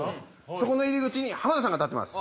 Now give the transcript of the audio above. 入り口に浜田さんが立ってます。